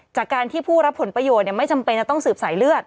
จากการที่ผู้รับผลประโยชน์ไม่จำเป็นจะต้องสืบสายเลือด